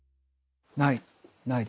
ない。